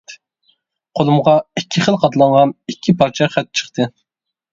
قولۇمغا ئىككى خىل قاتلانغان ئىككى پارچە خەت چىقتى.